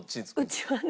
うちはね。